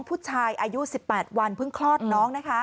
ผู้ชายอายุ๑๘วันเพิ่งคลอดน้องนะคะ